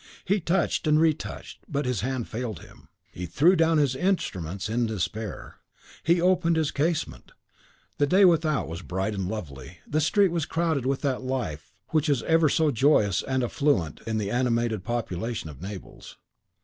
He touched and retouched, but his hand failed him; he threw down his instruments in despair; he opened his casement: the day without was bright and lovely; the street was crowded with that life which is ever so joyous and affluent in the animated population of Naples.